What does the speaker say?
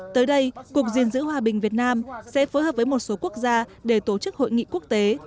tới đây cục diện giữ hòa bình việt nam sẽ phối hợp với một số quốc gia để tổ chức hội nghị quốc tế